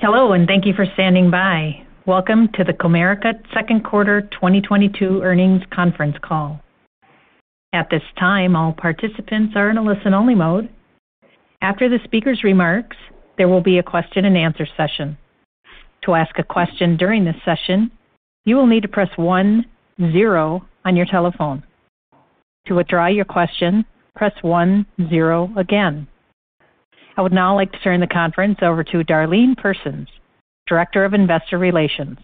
Hello, thank you for standing by. Welcome to the Comerica Second Quarter 2022 Earnings Conference Call. At this time, all participants are in a listen-only mode. After the speaker's remarks, there will be a question-and-answer session. To ask a question during this session, you will need to press one, zero on your telephone. To withdraw your question, press one, zero again. I would now like to turn the conference over to Darlene Persons, Director of Investor Relations.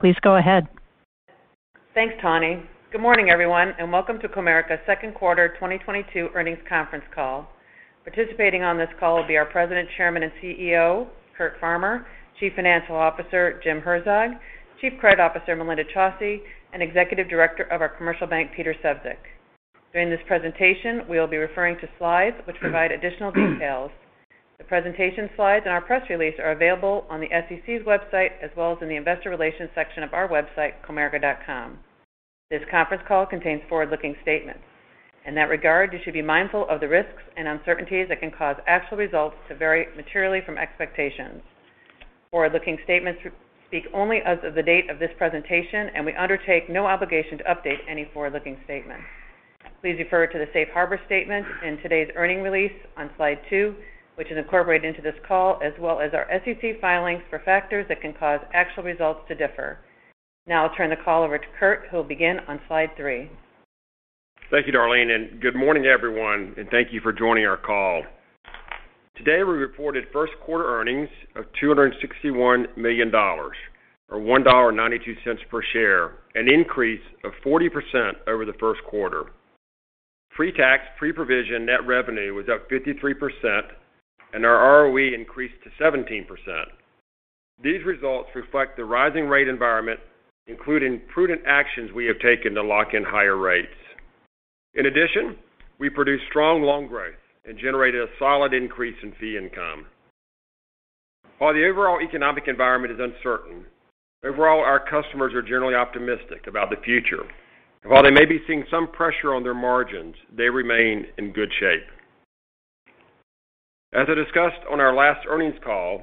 Please go ahead. Thanks, Tawny. Good morning, everyone, and welcome to Comerica Second Quarter 2022 Earnings Conference Call. Participating on this call will be our President, Chairman, and CEO, Curtis Farmer, Chief Financial Officer, Jim Herzog, Chief Credit Officer, Melinda Chausse, and Executive Director of our Commercial Bank, Peter Sefzik. During this presentation, we'll be referring to slides which provide additional details. The presentation slides and our press release are available on the SEC's website, as well as in the investor relations section of our website, comerica.com. This conference call contains forward-looking statements. In that regard, you should be mindful of the risks and uncertainties that can cause actual results to vary materially from expectations. Forward-looking statements speak only as of the date of this presentation, and we undertake no obligation to update any forward-looking statements. Please refer to the safe harbor statement in today's earnings release on slide 2, which is incorporated into this call, as well as our SEC filings for factors that can cause actual results to differ. Now I'll turn the call over to Curtis Farmer, who will begin on slide 3. Thank you, Darlene. Good morning, everyone, and thank you for joining our call. Today, we reported first quarter earnings of $261 million or $1.92 per share, an increase of 40% over the first quarter. Pre-tax, pre-provision net revenue was up 53% and our ROE increased to 17%. These results reflect the rising rate environment, including prudent actions we have taken to lock in higher rates. In addition, we produced strong loan growth and generated a solid increase in fee income. While the overall economic environment is uncertain, overall, our customers are generally optimistic about the future. While they may be seeing some pressure on their margins, they remain in good shape. As I discussed on our last earnings call,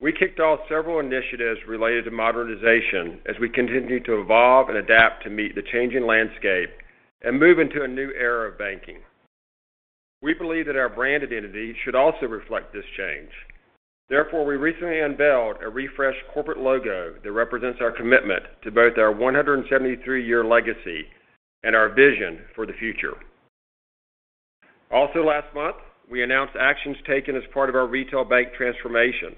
we kicked off several initiatives related to modernization as we continue to evolve and adapt to meet the changing landscape and move into a new era of banking. We believe that our brand identity should also reflect this change. Therefore, we recently unveiled a refreshed corporate logo that represents our commitment to both our 173-year legacy and our vision for the future. Also last month, we announced actions taken as part of our retail bank transformation,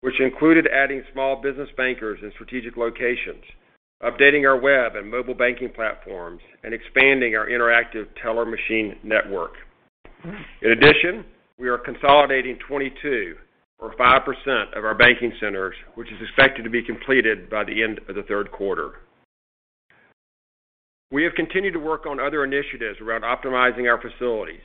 which included adding small business bankers in strategic locations, updating our web and mobile banking platforms, and expanding our interactive teller machine network. In addition, we are consolidating 22 or 5% of our banking centers, which is expected to be completed by the end of the third quarter. We have continued to work on other initiatives around optimizing our facilities.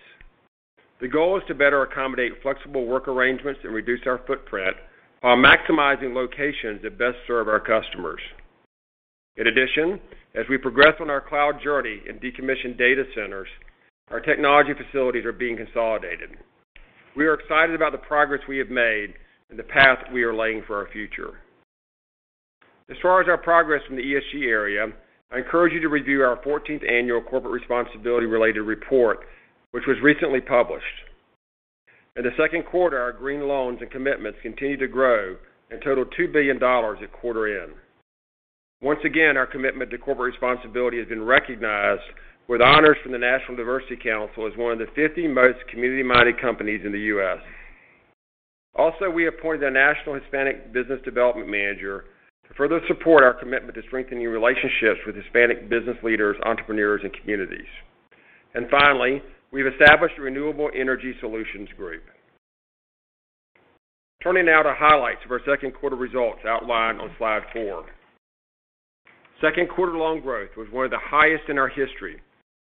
The goal is to better accommodate flexible work arrangements and reduce our footprint while maximizing locations that best serve our customers. In addition, as we progress on our cloud journey and decommission data centers, our technology facilities are being consolidated. We are excited about the progress we have made and the path we are laying for our future. As far as our progress in the ESG area, I encourage you to review our fourteenth annual corporate responsibility related report, which was recently published. In the second quarter, our green loans and commitments continued to grow and totaled $2 billion at quarter end. Once again, our commitment to corporate responsibility has been recognized with honors from the National Diversity Council as one of the 50 most community-minded companies in the U.S. Also, we appointed a National Hispanic Business Development Manager to further support our commitment to strengthening relationships with Hispanic business leaders, entrepreneurs, and communities. Finally, we've established a Renewable Energy Solutions group. Turning now to highlights of our second quarter results outlined on slide 4. Second quarter loan growth was one of the highest in our history,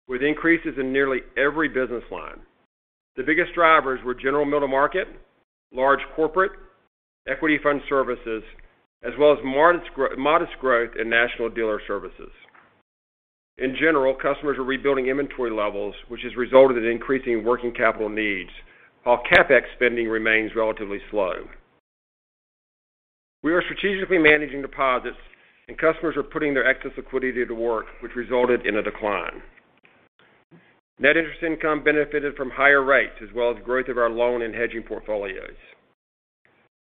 with increases in nearly every business line. The biggest drivers were General Middle Market, large corporate, Equity Fund Services, as well as modest growth in National Dealer Services. In general, customers are rebuilding inventory levels, which has resulted in increasing working capital needs, while CapEx spending remains relatively slow. We are strategically managing deposits and customers are putting their excess liquidity to work, which resulted in a decline. Net interest income benefited from higher rates as well as growth of our loan and hedging portfolios.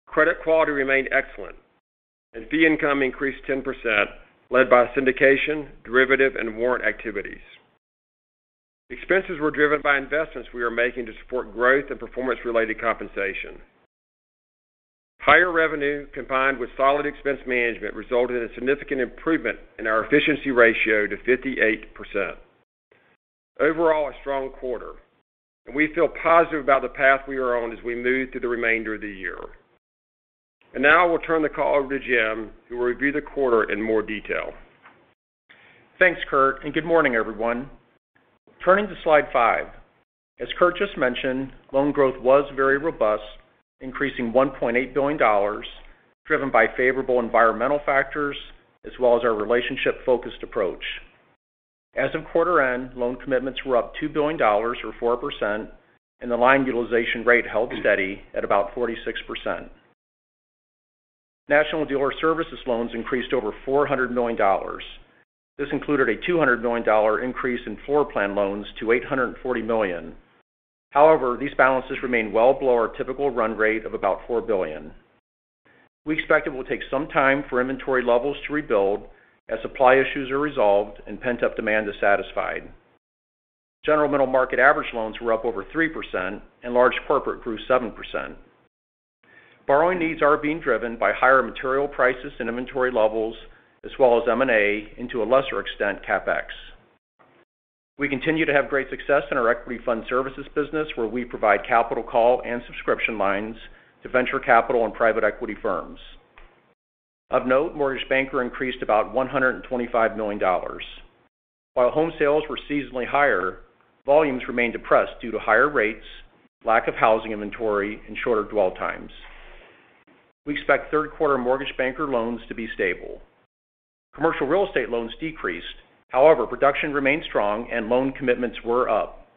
Credit quality remained excellent and fee income increased 10%, led by syndication, derivative, and warrant activities. Expenses were driven by investments we are making to support growth and performance-related compensation. Higher revenue combined with solid expense management resulted in a significant improvement in our efficiency ratio to 58%. Overall, a strong quarter. We feel positive about the path we are on as we move through the remainder of the year. Now I will turn the call over to Jim, who will review the quarter in more detail. Thanks, Curtis, and good morning, everyone. Turning to slide five. As Curtis just mentioned, loan growth was very robust, increasing $1.8 billion, driven by favorable environmental factors as well as our relationship focused approach. As of quarter end, loan commitments were up $2 billion or 4%, and the line utilization rate held steady at about 46%. National Dealer Services loans increased over $400 million. This included a $200 million increase in floor plan loans to $840 million. However, these balances remain well below our typical run rate of about $4 billion. We expect it will take some time for inventory levels to rebuild as supply issues are resolved and pent-up demand is satisfied. General Middle Market average loans were up over 3%, and large corporate grew 7%. Borrowing needs are being driven by higher material prices and inventory levels as well as M&A, and to a lesser extent, CapEx. We continue to have great success in our Equity Fund Services business, where we provide capital call and subscription lines to venture capital and private equity firms. Of note, Mortgage Banker increased about $125 million. While home sales were seasonally higher, volumes remained depressed due to higher rates, lack of housing inventory and shorter dwell times. We expect third quarter Mortgage Banker loans to be stable. Commercial Real Estate loans decreased. However, production remained strong and loan commitments were up.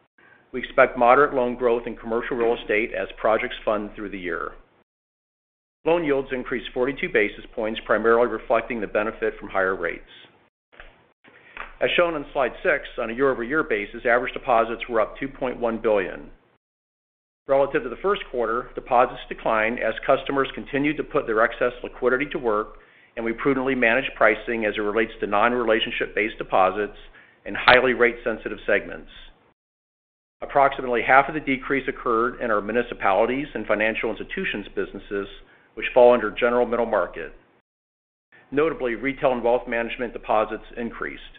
We expect moderate loan growth in Commercial Real Estate as projects fund through the year. Loan yields increased 42 basis points, primarily reflecting the benefit from higher rates. As shown on slide 6, on a year-over-year basis, average deposits were up $2.1 billion. Relative to the first quarter, deposits declined as customers continued to put their excess liquidity to work, and we prudently managed pricing as it relates to non-relationship based deposits and highly rate sensitive segments. Approximately half of the decrease occurred in our municipalities and financial institutions businesses which fall under General Middle Market. Notably, retail and Wealth Management deposits increased.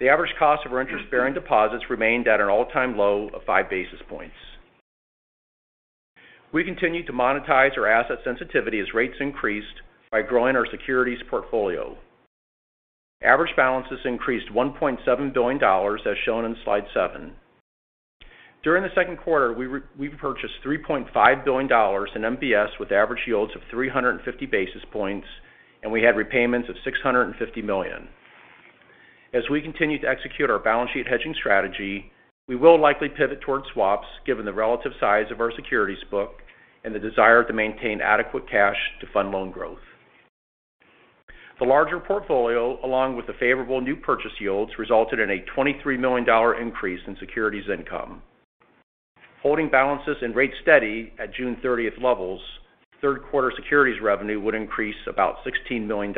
The average cost of our interest-bearing deposits remained at an all-time low of 5 basis points. We continued to monetize our asset sensitivity as rates increased by growing our securities portfolio. Average balances increased $1.7 billion, as shown in slide 7. During the second quarter, we purchased $3.5 billion in MBS with average yields of 350 basis points, and we had repayments of $650 million. As we continue to execute our balance sheet hedging strategy, we will likely pivot towards swaps, given the relative size of our securities book and the desire to maintain adequate cash to fund loan growth. The larger portfolio, along with the favorable new purchase yields, resulted in a $23 million increase in securities income. Holding balances and rates steady at June 30 levels, third quarter securities revenue would increase about $16 million.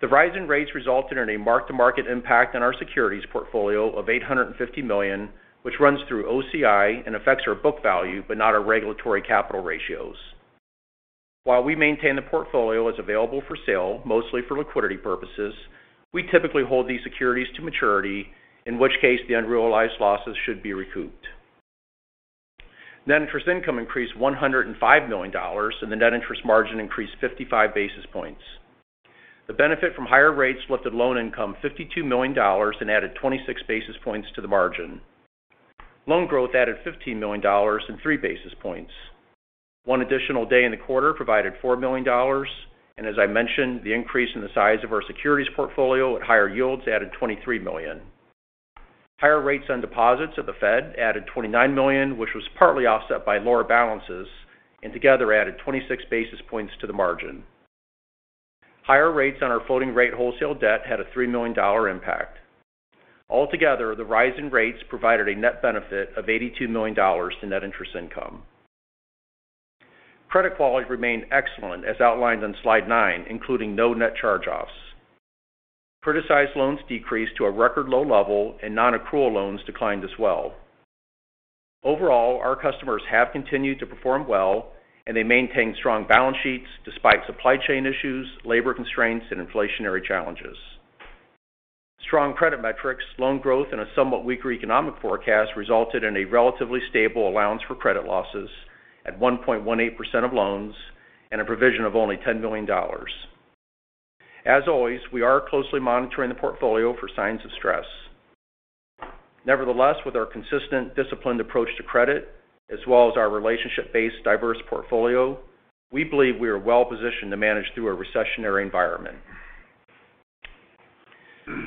The rise in rates resulted in a mark-to-market impact on our securities portfolio of $850 million, which runs through OCI and affects our book value, but not our regulatory capital ratios. While we maintain the portfolio is available for sale, mostly for liquidity purposes, we typically hold these securities to maturity, in which case, the unrealized losses should be recouped. Net interest income increased $105 million, and the net interest margin increased 55 basis points. The benefit from higher rates lifted loan income $52 million and added 26 basis points to the margin. Loan growth added $15 million and 3 basis points. One additional day in the quarter provided $4 million. As I mentioned, the increase in the size of our securities portfolio at higher yields added $23 million. Higher rates on deposits at the Fed added $29 million, which was partly offset by lower balances, and together added 26 basis points to the margin. Higher rates on our floating rate wholesale debt had a $3 million impact. Altogether, the rise in rates provided a net benefit of $82 million to net interest income. Credit quality remained excellent, as outlined on slide nine, including no net charge-offs. Criticized loans decreased to a record low level and non-accrual loans declined as well. Overall, our customers have continued to perform well, and they maintain strong balance sheets despite supply chain issues, labor constraints and inflationary challenges. Strong credit metrics, loan growth and a somewhat weaker economic forecast resulted in a relatively stable allowance for credit losses at 1.18% of loans and a provision of only $10 million. As always, we are closely monitoring the portfolio for signs of stress. Nevertheless, with our consistent disciplined approach to credit, as well as our relationship-based diverse portfolio, we believe we are well positioned to manage through a recessionary environment.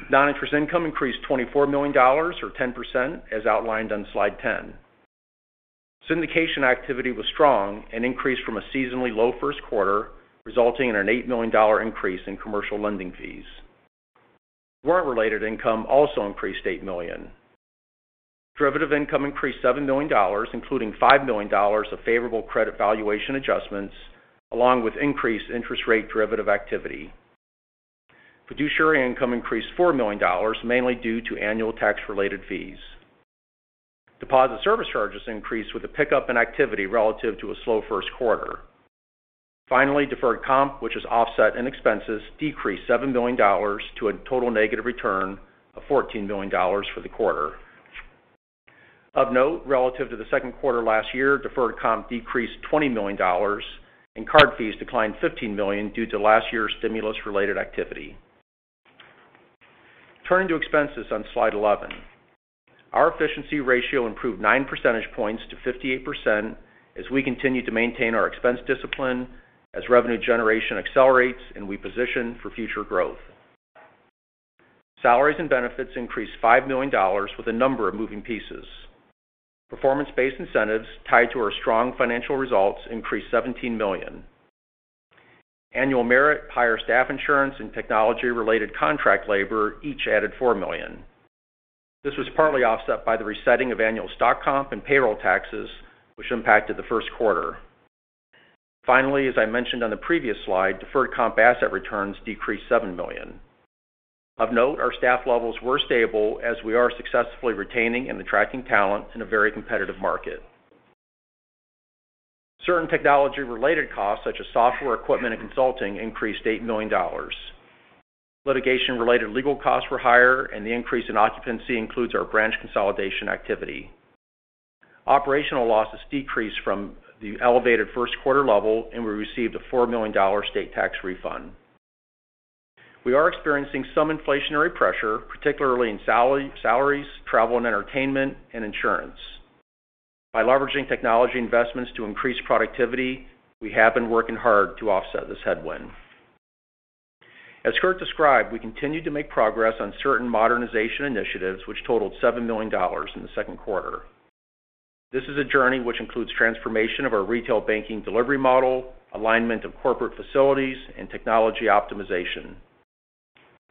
Non-interest income increased $24 million or 10% as outlined on slide 10. Syndication activity was strong and increased from a seasonally low first quarter, resulting in an $8 million increase in commercial lending fees. Warrant-related income also increased $8 million. Derivative income increased $7 million, including $5 million of favorable credit valuation adjustments, along with increased interest rate derivative activity. Fiduciary income increased $4 million, mainly due to annual tax-related fees. Deposit service charges increased with a pickup in activity relative to a slow first quarter. Finally, deferred comp, which is offset in expenses, decreased $7 million to a total negative return of $14 million for the quarter. Of note, relative to the second quarter last year, deferred comp decreased $20 million and card fees declined $15 million due to last year's stimulus-related activity. Turning to expenses on slide 11. Our efficiency ratio improved 9 percentage points to 58% as we continue to maintain our expense discipline as revenue generation accelerates and we position for future growth. Salaries and benefits increased $5 million with a number of moving pieces. Performance-based incentives tied to our strong financial results increased $17 million. Annual merit, higher staff insurance, and technology-related contract labor each added $4 million. This was partly offset by the resetting of annual stock comp and payroll taxes, which impacted the first quarter. Finally, as I mentioned on the previous slide, deferred comp asset returns decreased $7 million. Of note, our staff levels were stable as we are successfully retaining and attracting talent in a very competitive market. Certain technology-related costs, such as software, equipment, and consulting, increased $8 million. Litigation-related legal costs were higher, and the increase in occupancy includes our branch consolidation activity. Operational losses decreased from the elevated first quarter level, and we received a $4 million state tax refund. We are experiencing some inflationary pressure, particularly in salaries, travel and entertainment, and insurance. By leveraging technology investments to increase productivity, we have been working hard to offset this headwind. As Curtis described, we continued to make progress on certain modernization initiatives, which totaled $7 million in the second quarter. This is a journey which includes transformation of our retail banking delivery model, alignment of corporate facilities, and technology optimization.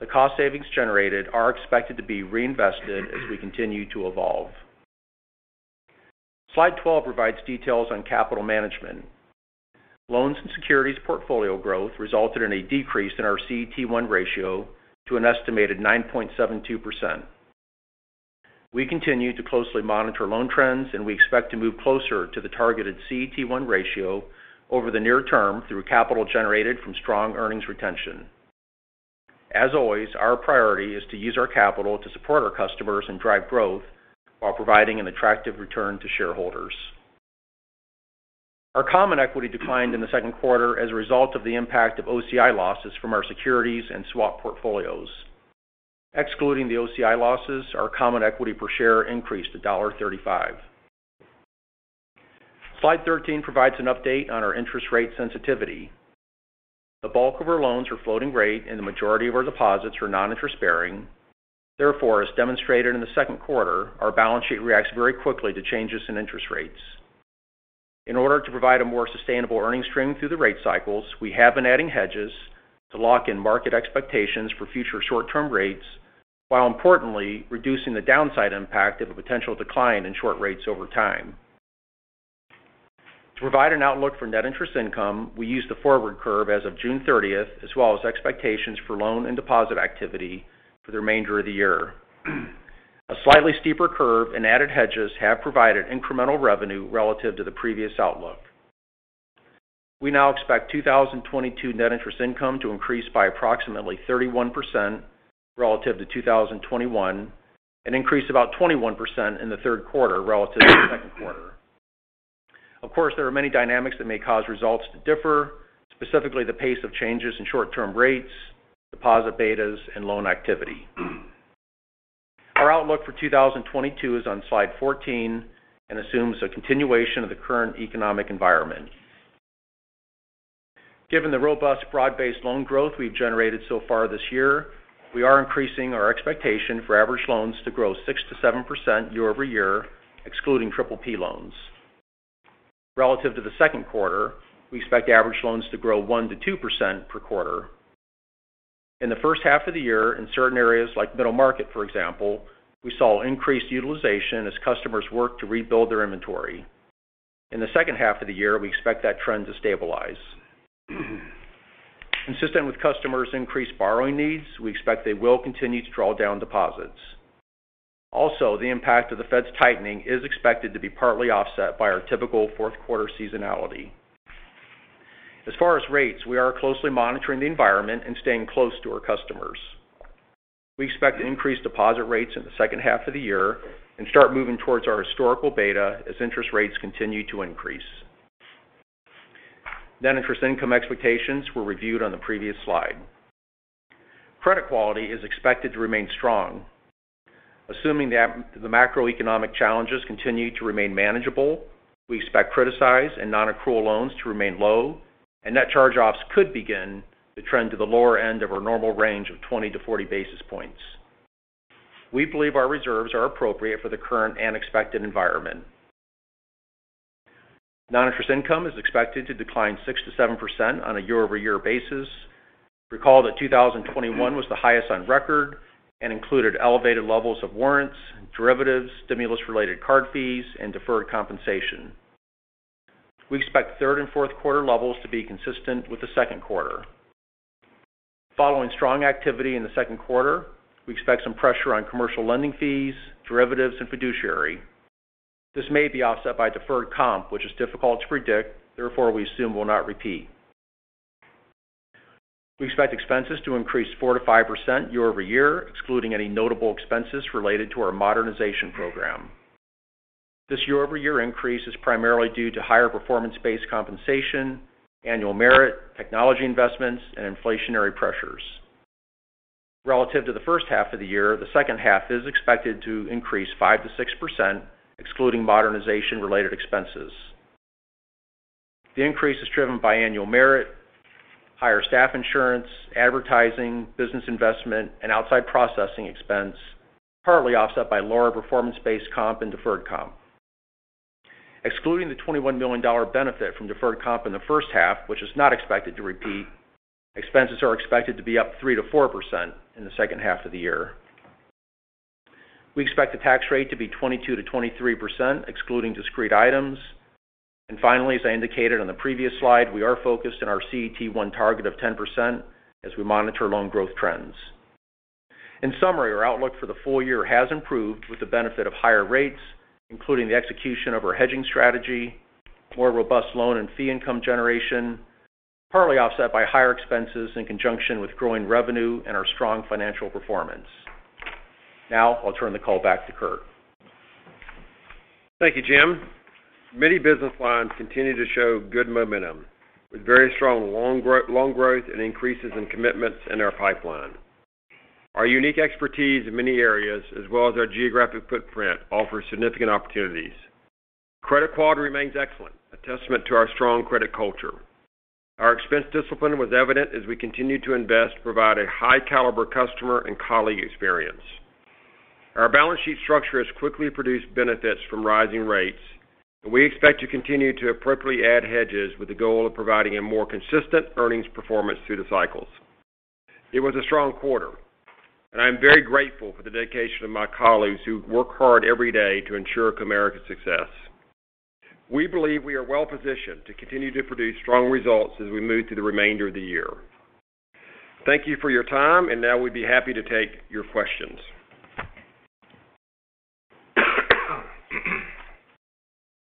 The cost savings generated are expected to be reinvested as we continue to evolve. Slide 12 provides details on capital management. Loans and securities portfolio growth resulted in a decrease in our CET1 ratio to an estimated 9.72%. We continue to closely monitor loan trends, and we expect to move closer to the targeted CET1 ratio over the near term through capital generated from strong earnings retention. As always, our priority is to use our capital to support our customers and drive growth while providing an attractive return to shareholders. Our common equity declined in the second quarter as a result of the impact of OCI losses from our securities and swap portfolios. Excluding the OCI losses, our common equity per share increased to $35. Slide 13 provides an update on our interest rate sensitivity. The bulk of our loans were floating rate, and the majority of our deposits were non-interest bearing. Therefore, as demonstrated in the second quarter, our balance sheet reacts very quickly to changes in interest rates. In order to provide a more sustainable earnings stream through the rate cycles, we have been adding hedges to lock in market expectations for future short-term rates, while importantly reducing the downside impact of a potential decline in short rates over time. To provide an outlook for net interest income, we use the forward curve as of June 30, as well as expectations for loan and deposit activity for the remainder of the year. A slightly steeper curve and added hedges have provided incremental revenue relative to the previous outlook. We now expect 2022 net interest income to increase by approximately 31% relative to 2021 and increase about 21% in the third quarter relative to the second quarter. Of course, there are many dynamics that may cause results to differ, specifically the pace of changes in short-term rates, deposit betas, and loan activity. Our outlook for 2022 is on slide 14 and assumes a continuation of the current economic environment. Given the robust broad-based loan growth we've generated so far this year, we are increasing our expectation for average loans to grow 6%-7% year-over-year, excluding PPP loans. Relative to the second quarter, we expect average loans to grow 1%-2% per quarter. In the first half of the year, in certain areas like middle market, for example, we saw increased utilization as customers work to rebuild their inventory. In the second half of the year, we expect that trend to stabilize. Consistent with customers' increased borrowing needs, we expect they will continue to draw down deposits. Also, the impact of the Fed's tightening is expected to be partly offset by our typical fourth quarter seasonality. As far as rates, we are closely monitoring the environment and staying close to our customers. We expect increased deposit rates in the second half of the year and start moving towards our historical beta as interest rates continue to increase. Net interest income expectations were reviewed on the previous slide. Credit quality is expected to remain strong. Assuming the macroeconomic challenges continue to remain manageable, we expect criticized and non-accrual loans to remain low, and net charge-offs could begin to trend to the lower end of our normal range of 20-40 basis points. We believe our reserves are appropriate for the current and expected environment. Non-interest income is expected to decline 6%-7% on a year-over-year basis. Recall that 2021 was the highest on record and included elevated levels of warrants, derivatives, stimulus-related card fees, and deferred compensation. We expect third and fourth quarter levels to be consistent with the second quarter. Following strong activity in the second quarter, we expect some pressure on commercial lending fees, derivatives, and fiduciary. This may be offset by deferred comp, which is difficult to predict. Therefore, we assume will not repeat. We expect expenses to increase 4%-5% year-over-year, excluding any notable expenses related to our modernization program. This year-over-year increase is primarily due to higher performance-based compensation, annual merit, technology investments, and inflationary pressures. Relative to the first half of the year, the second half is expected to increase 5%-6% excluding modernization-related expenses. The increase is driven by annual merit, higher staff insurance, advertising, business investment, and outside processing expense, partly offset by lower performance-based comp and deferred comp. Excluding the $21 million benefit from deferred comp in the first half, which is not expected to repeat, expenses are expected to be up 3%-4% in the second half of the year. We expect the tax rate to be 22%-23% excluding discrete items. Finally, as I indicated on the previous slide, we are focused on our CET1 target of 10% as we monitor loan growth trends. In summary, our outlook for the full year has improved with the benefit of higher rates, including the execution of our hedging strategy, more robust loan and fee income generation, partly offset by higher expenses in conjunction with growing revenue and our strong financial performance. Now I'll turn the call back to Curtis. Thank you, Jim. Many business lines continue to show good momentum with very strong loan growth and increases in commitments in our pipeline. Our unique expertise in many areas as well as our geographic footprint offer significant opportunities. Credit quality remains excellent, a testament to our strong credit culture. Our expense discipline was evident as we continued to invest to provide a high caliber customer and colleague experience. Our balance sheet structure has quickly produced benefits from rising rates, and we expect to continue to appropriately add hedges with the goal of providing a more consistent earnings performance through the cycles. It was a strong quarter, and I'm very grateful for the dedication of my colleagues who work hard every day to ensure Comerica's success. We believe we are well positioned to continue to produce strong results as we move through the remainder of the year. Thank you for your time, and now we'd be happy to take your questions.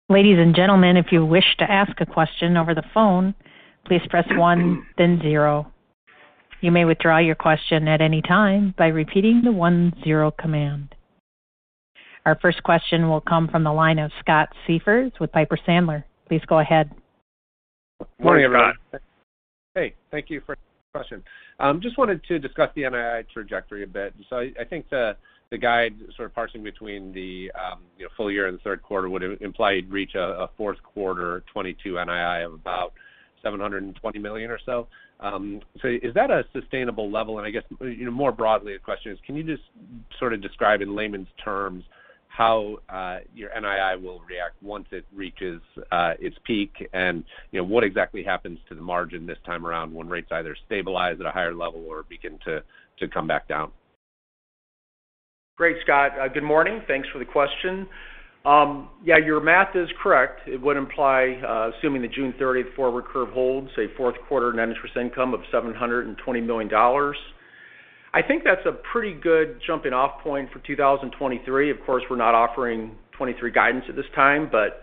Ladies and gentlemen, if you wish to ask a question over the phone, please press one then zero. You may withdraw your question at any time by repeating the one zero command. Our first question will come from the line of Scott Siefers with Piper Sandler. Please go ahead. Morning, Scott. Hey, thank you for taking the question. Just wanted to discuss the NII trajectory a bit. I think the guide sort of parsing between you know, full year and third quarter would imply you'd reach a fourth quarter 2022 NII of about $720 million or so. Is that a sustainable level? I guess, you know, more broadly, the question is, can you just sort of describe in layman's terms how your NII will react once it reaches its peak, and, you know, what exactly happens to the margin this time around when rates either stabilize at a higher level or begin to come back down? Great, Scott. Good morning. Thanks for the question. Yeah, your math is correct. It would imply, assuming the June 30 forward curve holds, a fourth quarter net interest income of $720 million. I think that's a pretty good jumping-off point for 2023. Of course, we're not offering 2023 guidance at this time, but,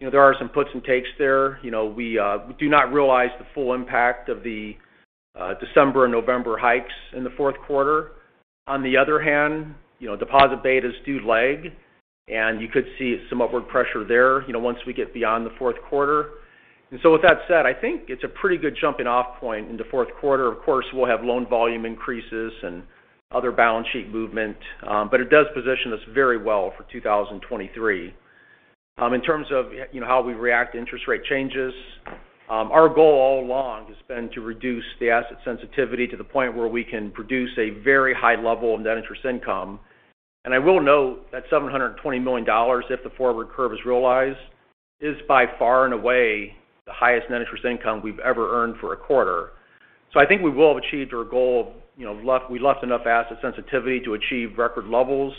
you know, there are some puts and takes there. You know, we do not realize the full impact of the December and November hikes in the fourth quarter. On the other hand, you know, deposit betas do lag, and you could see some upward pressure there, you know, once we get beyond the fourth quarter. With that said, I think it's a pretty good jumping-off point in the fourth quarter. Of course, we'll have loan volume increases and other balance sheet movement, but it does position us very well for 2023. In terms of, you know, how we react to interest rate changes, our goal all along has been to reduce the asset sensitivity to the point where we can produce a very high level of net interest income. I will note that $720 million, if the forward curve is realized, is by far and away the highest net interest income we've ever earned for a quarter. I think we will have achieved our goal of, you know, we left enough asset sensitivity to achieve record levels.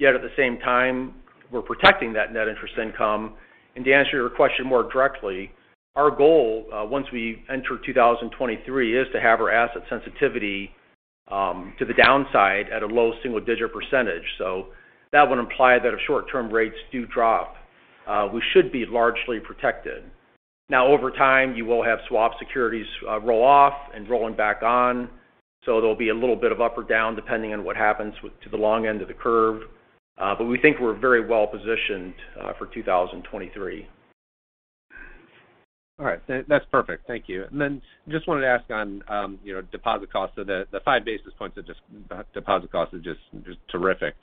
Yet at the same time, we're protecting that net interest income. To answer your question more directly, our goal, once we enter 2023, is to have our asset sensitivity to the downside at a low single-digit %. That would imply that if short-term rates do drop, we should be largely protected. Now, over time, you will have swap securities roll off and rolling back on. There'll be a little bit of up or down depending on what happens to the long end of the curve. We think we're very well positioned for 2023. All right. That's perfect. Thank you. Just wanted to ask on, you know, deposit costs. The five basis points of deposit cost is just terrific.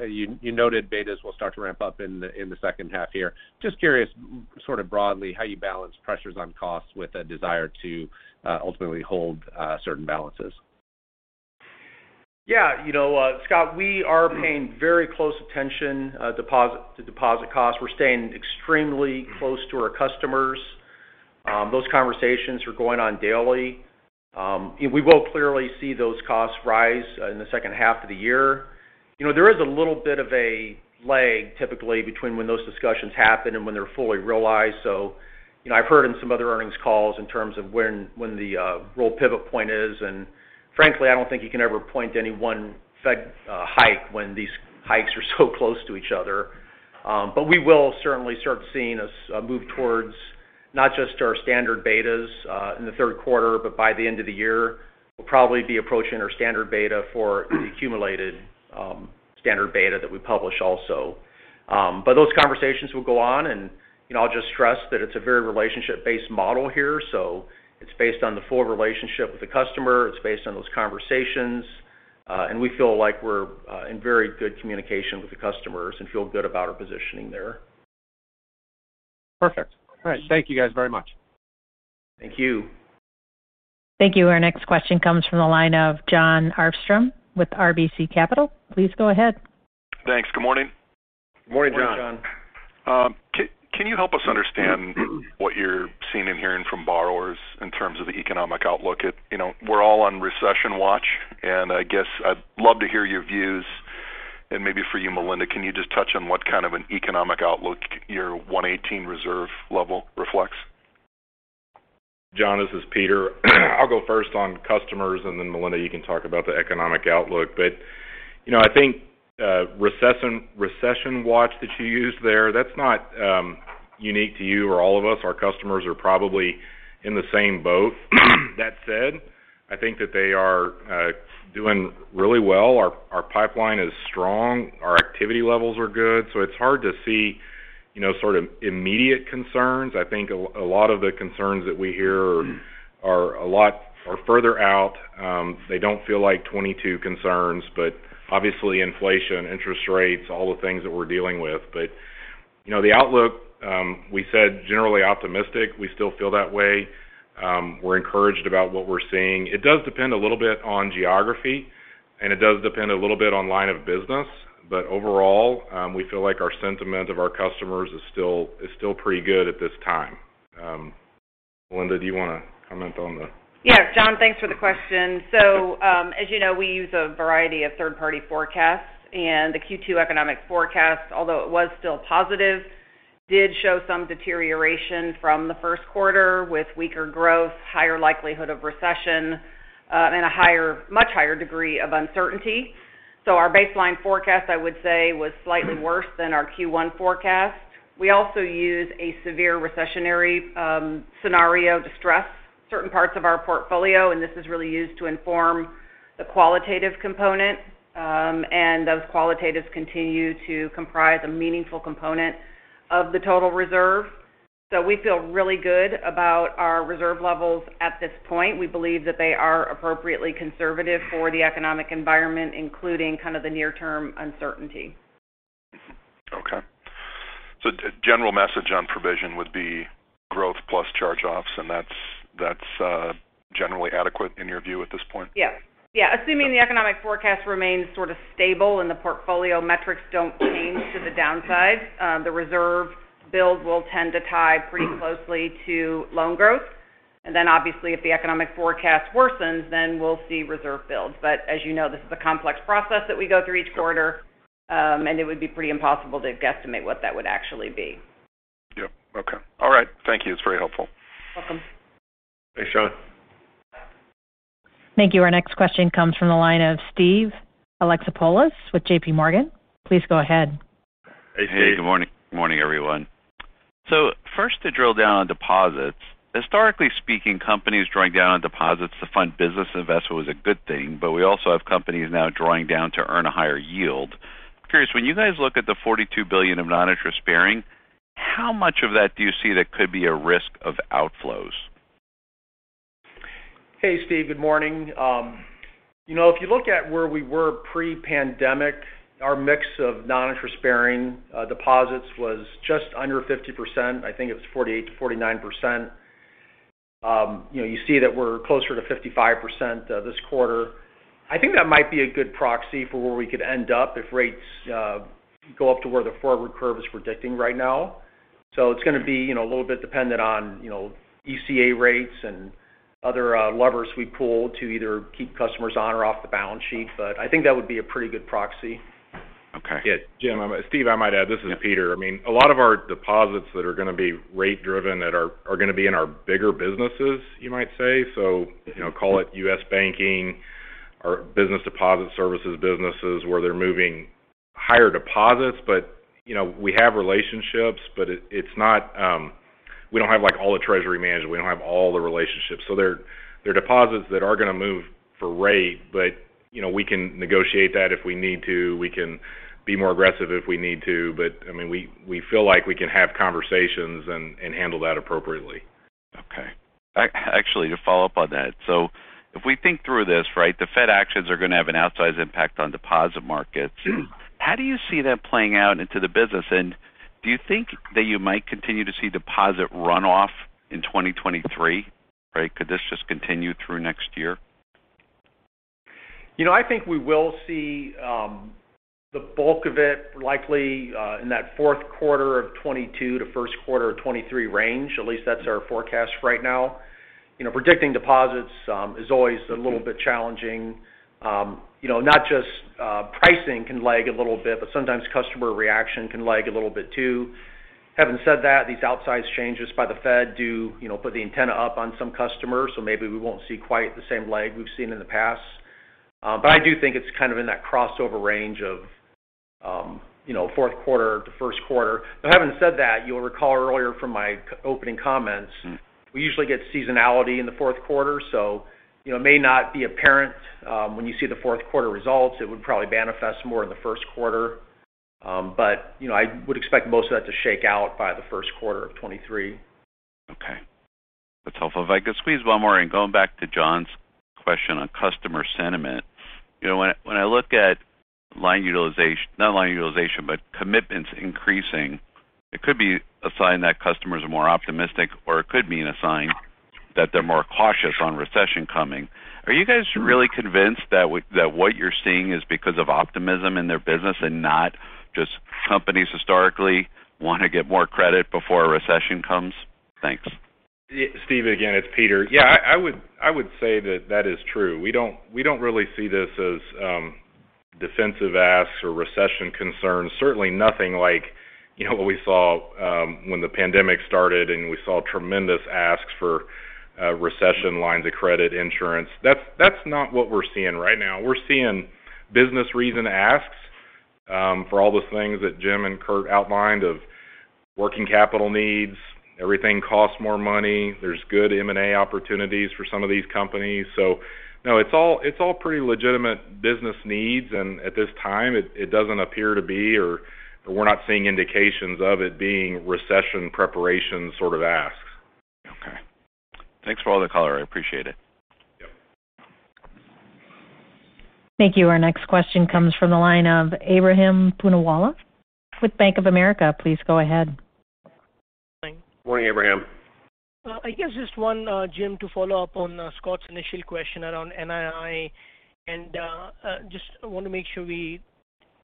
You noted betas will start to ramp up in the second half here. Just curious, sort of broadly how you balance pressures on costs with a desire to ultimately hold certain balances. Yeah. You know, Scott, we are paying very close attention, deposit to deposit costs. We're staying extremely close to our customers. Those conversations are going on daily. We will clearly see those costs rise in the second half of the year. You know, there is a little bit of a lag typically between when those discussions happen and when they're fully realized. You know, I've heard in some other earnings calls in terms of when the real pivot point is, and frankly, I don't think you can ever point to any one Fed hike when these hikes are so close to each other. But we will certainly start seeing us move towards Not just our standard betas in the third quarter, but by the end of the year. We'll probably be approaching our standard beta for the accumulated standard beta that we publish also. Those conversations will go on, and, you know, I'll just stress that it's a very relationship-based model here, so it's based on the full relationship with the customer. It's based on those conversations. We feel like we're in very good communication with the customers and feel good about our positioning there. Perfect. All right. Thank you guys very much. Thank you. Thank you. Our next question comes from the line of Jon Arfstrom with RBC Capital. Please go ahead. Thanks. Good morning. Morning, Jon. Morning, Jon. Can you help us understand what you're seeing and hearing from borrowers in terms of the economic outlook. You know, we're all on recession watch, and I guess I'd love to hear your views. Maybe for you, Melinda, can you just touch on what kind of an economic outlook your 1.18 reserve level reflects? Jon, this is Peter. I'll go first on customers, and then Melinda, you can talk about the economic outlook. You know, I think recession watch that you used there, that's not unique to you or all of us. Our customers are probably in the same boat. That said, I think that they are doing really well. Our pipeline is strong. Our activity levels are good. It's hard to see, you know, sort of immediate concerns. I think a lot of the concerns that we hear are further out. They don't feel like 22 concerns, but obviously inflation, interest rates, all the things that we're dealing with. You know, the outlook we said generally optimistic. We still feel that way. We're encouraged about what we're seeing. It does depend a little bit on geography, and it does depend a little bit on line of business. Overall, we feel like our sentiment of our customers is still pretty good at this time. Melinda, do you wanna comment on the- Yeah. Jon, thanks for the question. As you know, we use a variety of third-party forecasts, and the Q2 economic forecast although it was still positive, did show some deterioration from the first quarter with weaker growth, higher likelihood of recession, and much higher degree of uncertainty. Our baseline forecast, I would say, was slightly worse than our Q1 forecast. We also use a severe recessionary scenario to stress certain parts of our portfolio, and this is really used to inform the qualitative component. Those qualitative continue to comprise a meaningful component of the total reserve. We feel really good about our reserve levels at this point. We believe that they are appropriately conservative for the economic environment, including kind of the near-term uncertainty. The general message on provision would be growth plus charge-offs, and that's generally adequate in your view at this point? Yeah. Assuming the economic forecast remains sort of stable and the portfolio metrics don't change to the downside, the reserve build will tend to tie pretty closely to loan growth. Obviously, if the economic forecast worsens, we'll see reserve builds. As you know, this is a complex process that we go through each quarter, and it would be pretty impossible to guesstimate what that would actually be. Yeah. Okay. All right. Thank you. It's very helpful. Welcome. Thanks, Jon. Thank you. Our next question comes from the line of Steven Alexopoulos with JP Morgan. Please go ahead. Hey, Steve. Hey. Good morning. Good morning, everyone. First to drill down on deposits. Historically speaking, companies drawing down deposits to fund business investment was a good thing, but we also have companies now drawing down to earn a higher yield. I'm curious, when you guys look at the $42 billion of non-interest-bearing, how much of that do you see that could be a risk of outflows? Hey, Steve. Good morning. You know, if you look at where we were pre-pandemic, our mix of non-interest bearing deposits was just under 50%. I think it was 48%-49%. You know, you see that we're closer to 55% this quarter. I think that might be a good proxy for where we could end up if rates go up to where the forward curve is predicting right now. It's gonna be, you know, a little bit dependent on, you know, ECA rates and other levers we pull to either keep customers on or off the balance sheet. I think that would be a pretty good proxy. Okay. Yeah. Jim, Steve, I might add. Yeah. This is Peter. I mean, a lot of our deposits that are gonna be rate driven that are gonna be in our bigger businesses, you might say. You know, call it U.S. banking or business deposit services, businesses where they're moving higher deposits. You know, we have relationships, but it's not. We don't have, like, all the treasury management. We don't have all the relationships. They're deposits that are gonna move for rate, but, you know, we can negotiate that if we need to. We can be more aggressive if we need to, but I mean, we feel like we can have conversations and handle that appropriately. Okay. Actually, to follow up on that. If we think through this, right, the Fed actions are gonna have an outsize impact on deposit markets. Mm-hmm. How do you see that playing out into the business? Do you think that you might continue to see deposit runoff in 2023, right? Could this just continue through next year? You know, I think we will see the bulk of it likely in that fourth quarter of 2022 to first quarter of 2023 range. At least that's our forecast right now. You know, predicting deposits is always a little bit challenging. You know, not just pricing can lag a little bit, but sometimes customer reaction can lag a little bit too. Having said that, these outsize changes by the Fed do, you know, put the antenna up on some customers, so maybe we won't see quite the same lag we've seen in the past. I do think it's kind of in that crossover range of You know, fourth quarter to first quarter. Having said that, you'll recall earlier from my opening comments, we usually get seasonality in the fourth quarter. You know, it may not be apparent when you see the fourth quarter results. It would probably manifest more in the first quarter. You know, I would expect most of that to shake out by the first quarter of 2023. Okay. That's helpful. If I could squeeze one more in, going back to Jon's question on customer sentiment. You know, when I look at commitments increasing, it could be a sign that customers are more optimistic, or it could mean a sign that they're more cautious on recession coming. Are you guys really convinced that what you're seeing is because of optimism in their business and not just companies historically want to get more credit before a recession comes? Thanks. Steve, again, it's Peter. Yeah, I would say that is true. We don't really see this as defensive asks or recession concerns. Certainly nothing like, you know, what we saw when the pandemic started, and we saw tremendous asks for recession lines of credit insurance. That's not what we're seeing right now. We're seeing business reason asks for all those things that Jim and Curtis outlined of working capital needs. Everything costs more money. There's good M&A opportunities for some of these companies. No, it's all pretty legitimate business needs, and at this time it doesn't appear to be or we're not seeing indications of it being recession preparation sort of asks. Okay. Thanks for all the color. I appreciate it. Yep. Thank you. Our next question comes from the line of Ebrahim Poonawala with Bank of America. Please go ahead. Morning. Morning, Ebrahim. Well, I guess just one, Jim, to follow up on Scott's initial question around NII, and just want to make sure we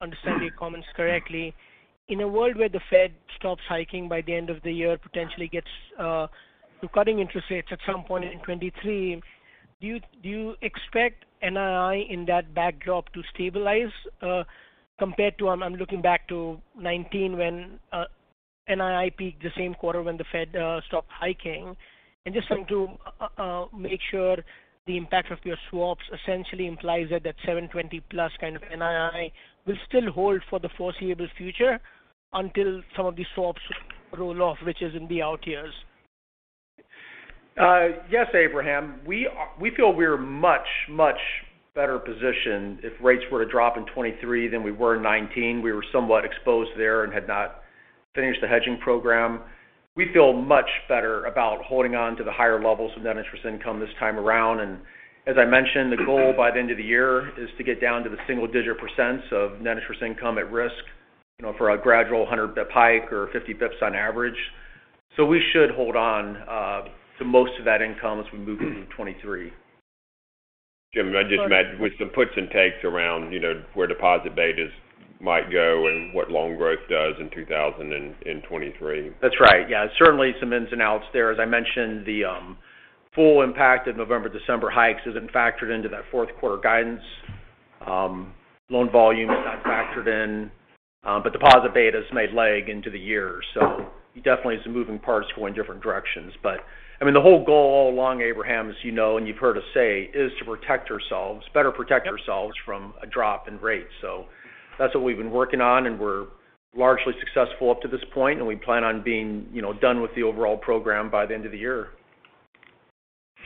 understand your comments correctly. In a world where the Fed stops hiking by the end of the year, potentially gets to cutting interest rates at some point in 2023, do you expect NII in that backdrop to stabilize compared to. I'm looking back to 2019 when NII peaked the same quarter when the Fed stopped hiking. Just wanting to make sure the impact of your swaps essentially implies that that $720+ kind of NII will still hold for the foreseeable future until some of these swaps roll off, which is in the out years. Yes, Ebrahim. We feel we're much better positioned if rates were to drop in 2023 than we were in 2019. We were somewhat exposed there and had not finished the hedging program. We feel much better about holding on to the higher levels of net interest income this time around. As I mentioned, the goal by the end of the year is to get down to the single-digit % of net interest income at risk, you know, for a gradual 100 basis point hike or 50 basis points on average. We should hold on to most of that income as we move into 2023. Jim, I just meant with some puts and takes around, you know, where deposit betas might go and what loan growth does in 2023. That's right. Yeah, certainly some ins and outs there. As I mentioned, the full impact of November, December hikes isn't factored into that fourth quarter guidance. Loan volume is not factored in, but deposit beta has lagged into the year, so you definitely have some moving parts going different directions. I mean, the whole goal all along, Ebrahim, as you know and you've heard us say, is to protect ourselves, better protect ourselves from a drop in rates. That's what we've been working on, and we're largely successful up to this point, and we plan on being, you know, done with the overall program by the end of the year.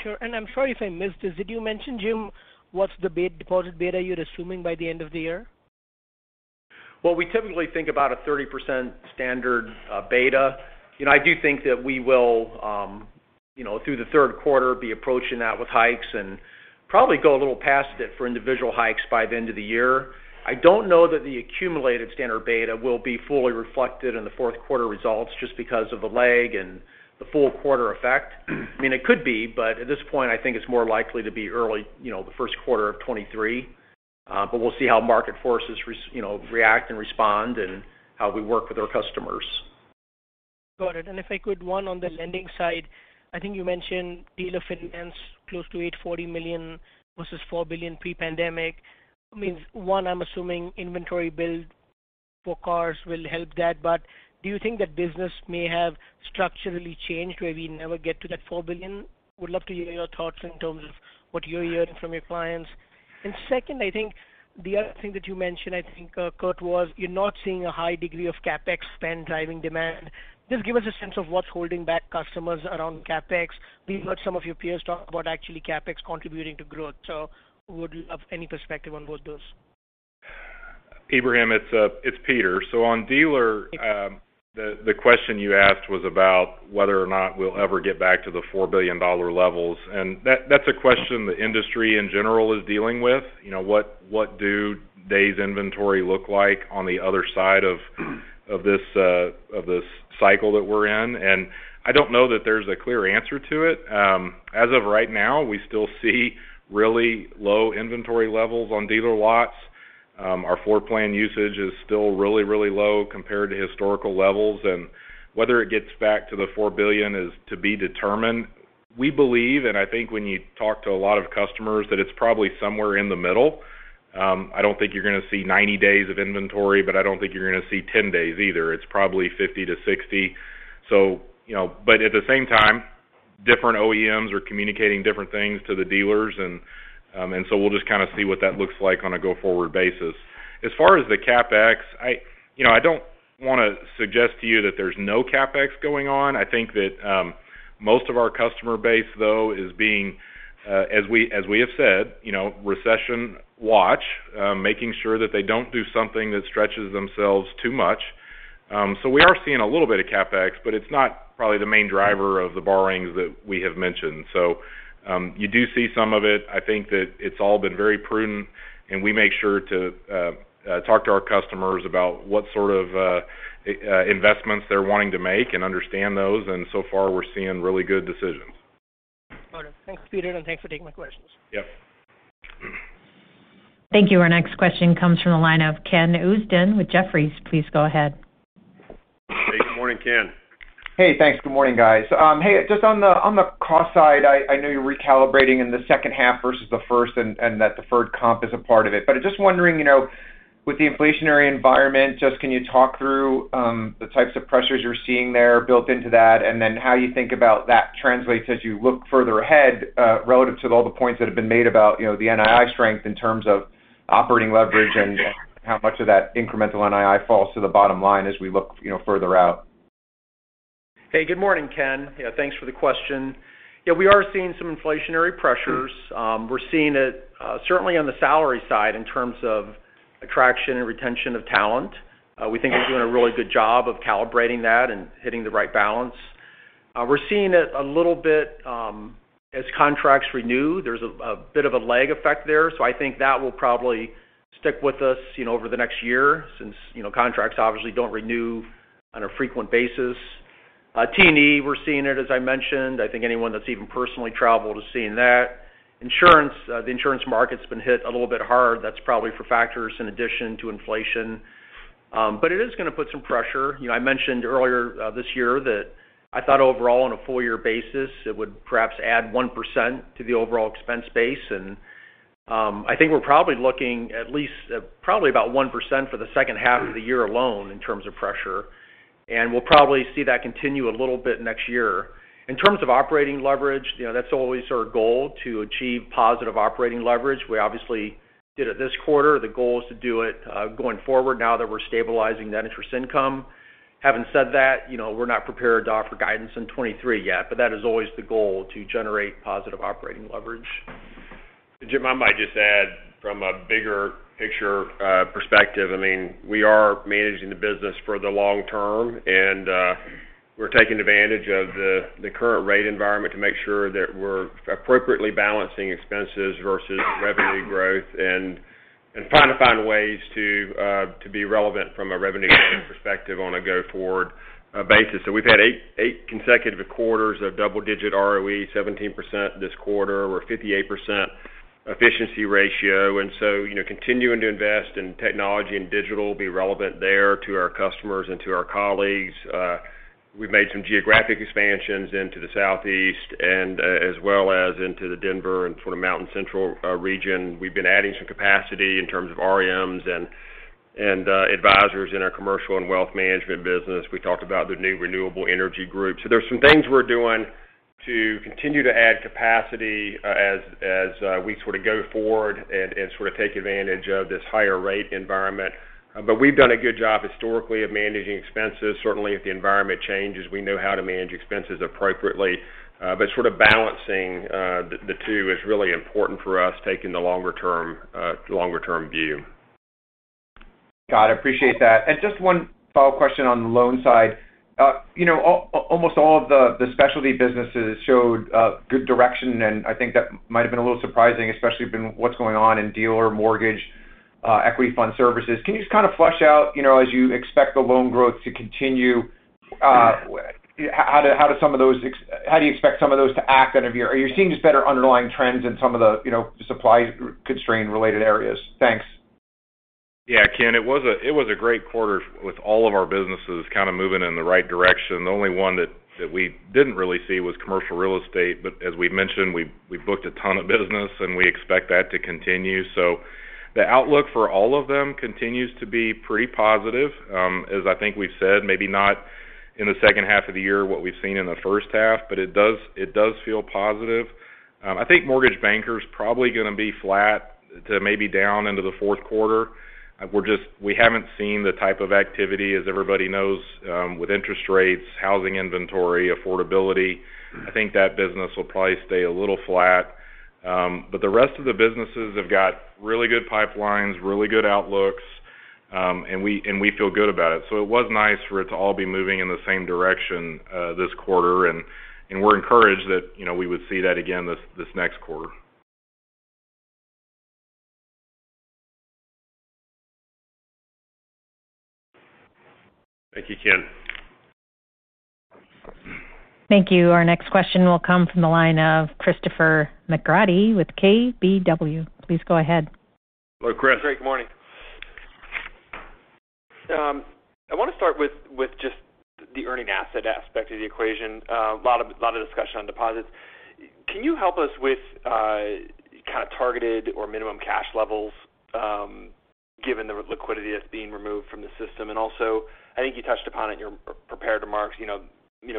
Sure. I'm sorry if I missed this. Did you mention, Jim, what's the deposit beta you're assuming by the end of the year? Well, we typically think about a 30% standard beta. You know, I do think that we will, you know, through the third quarter, be approaching that with hikes and probably go a little past it for individual hikes by the end of the year. I don't know that the accumulated standard beta will be fully reflected in the fourth quarter results just because of the lag and the full quarter effect. I mean, it could be, but at this point I think it's more likely to be early, you know, the first quarter of 2023. We'll see how market forces react and respond and how we work with our customers. Got it. If I could, one on the lending side. I think you mentioned dealer finance close to $840 million versus $4 billion pre-pandemic. I mean, one, I'm assuming inventory build for cars will help that. But do you think that business may have structurally changed where we never get to that $4 billion? Would love to hear your thoughts in terms of what you're hearing from your clients. Second, I think the other thing that you mentioned, I think, Curtis, was you're not seeing a high degree of CapEx spend driving demand. Just give us a sense of what's holding back customers around CapEx. We've heard some of your peers talk about actually CapEx contributing to growth. Would love any perspective on both those. Ebrahim, it's Peter. On dealer, the question you asked was about whether or not we'll ever get back to the $4 billion levels. That's a question the industry in general is dealing with. You know, what do days inventory look like on the other side of this cycle that we're in? I don't know that there's a clear answer to it. As of right now, we still see really low inventory levels on dealer lots. Our floor plan usage is still really, really low compared to historical levels. Whether it gets back to the $4 billion is to be determined. We believe, and I think when you talk to a lot of customers, that it's probably somewhere in the middle. I don't think you're going to see 90 days of inventory, but I don't think you're going to see 10 days either. It's probably 50-60. You know, but at the same time different OEMs are communicating different things to the dealers, and so we'll just kind of see what that looks like on a go-forward basis. As far as the CapEx, you know, I don't wanna suggest to you that there's no CapEx going on. I think that most of our customer base, though, is being as we have said, you know, recession watch, making sure that they don't do something that stretches themselves too much. We are seeing a little bit of CapEx, but it's not probably the main driver of the borrowings that we have mentioned. You do see some of it. I think that it's all been very prudent, and we make sure to talk to our customers about what sort of investments they're wanting to make and understand those. So far, we're seeing really good decisions. Got it. Thanks, Peter, and thanks for taking my questions. Yep. Thank you. Our next question comes from the line of Ken Usdin with Jefferies. Please go ahead. Hey, good morning, Ken. Hey, thanks. Good morning, guys. Hey, just on the, on the cost side, I know you're recalibrating in the second half versus the first and that deferred comp is a part of it. Just wondering, you know, with the inflationary environment, just can you talk through the types of pressures you're seeing there built into that, and then how you think about that translates as you look further ahead, relative to all the points that have been made about, you know, the NII strength in terms of operating leverage and how much of that incremental NII falls to the bottom line as we look, you know, further out? Hey, good morning, Ken. Yeah, thanks for the question. Yeah, we are seeing some inflationary pressures. We're seeing it certainly on the salary side in terms of attraction and retention of talent. We think we're doing a really good job of calibrating that and hitting the right balance. We're seeing it a little bit as contracts renew. There's a bit of a lag effect there. I think that will probably stick with us, you know, over the next year since, you know, contracts obviously don't renew on a frequent basis. T&E, we're seeing it, as I mentioned. I think anyone that's even personally traveled is seeing that. Insurance, the insurance market's been hit a little bit hard. That's probably from factors in addition to inflation. But it is gonna put some pressure. You know, I mentioned earlier, this year that I thought overall, on a full year basis, it would perhaps add 1% to the overall expense base. I think we're probably looking at least, probably about 1% for the second half of the year alone in terms of pressure. We'll probably see that continue a little bit next year. In terms of operating leverage, you know, that's always our goal, to achieve positive operating leverage. We obviously did it this quarter. The goal is to do it, going forward now that we're stabilizing that interest income. Having said that, you know, we're not prepared to offer guidance in 2023 yet, but that is always the goal, to generate positive operating leverage. Jim, I might just add from a bigger picture perspective, I mean, we are managing the business for the long term, and we're taking advantage of the current rate environment to make sure that we're appropriately balancing expenses versus revenue growth and trying to find ways to be relevant from a revenue growth perspective on a go forward basis. We've had 8 consecutive quarters of double-digit ROE, 17% this quarter. We're 58% efficiency ratio. You know, continuing to invest in technology and digital, be relevant there to our customers and to our colleagues. We've made some geographic expansions into the Southeast and as well as into the Denver and sort of Mountain Central region. We've been adding some capacity in terms of RMs and advisors in our commercial and Wealth Management business. We talked about the new renewable energy group. There's some things we're doing to continue to add capacity, as we sort of go forward and sort of take advantage of this higher rate environment. We've done a good job historically of managing expenses. Certainly, if the environment changes, we know how to manage expenses appropriately. Sort of balancing the two is really important for us, taking the longer term view. Got it. Appreciate that. Just one follow-up question on the loan side. You know, almost all of the specialty businesses showed good direction, and I think that might have been a little surprising, especially given what's going on in dealer services, equity fund services. Can you just kind of flesh out, you know, as you expect the loan growth to continue, how do you expect some of those to play out of your. Are you seeing just better underlying trends in some of the, you know, supply constraint related areas? Thanks. Yeah, Ken. It was a great quarter with all of our businesses kind of moving in the right direction. The only one that we didn't really see was Commercial Real Estate. As we mentioned, we booked a ton of business, and we expect that to continue. The outlook for all of them continues to be pretty positive. As I think we've said, maybe not in the second half of the year what we've seen in the first half, but it does feel positive. I think mortgage bankers probably gonna be flat to maybe down into the fourth quarter. We haven't seen the type of activity as everybody knows, with interest rates, housing inventory, affordability. I think that business will probably stay a little flat. The rest of the businesses have got really good pipelines, really good outlooks, and we feel good about it. It was nice for it to all be moving in the same direction this quarter, and we're encouraged that, you know, we would see that again this next quarter. Thank you, Ken. Thank you. Our next question will come from the line of Christopher McGratty with KBW. Please go ahead. Hello, Chris. Great, good morning. I wanna start with just the earning asset aspect of the equation. A lot of discussion on deposits. Can you help us with kind of targeted or minimum cash levels, given the liquidity that's being removed from the system? Also, I think you touched upon it in your prepared remarks, you know,